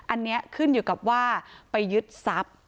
อันนี้ขึ้นอยู่กับว่าไปยึดทรัพย์